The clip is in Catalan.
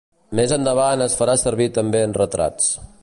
Més endavant es farà servir també en retrats.